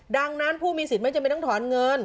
ดังนั้นผู้มีสิทธิ์ไม่จำเป็นต้องถอนเงิน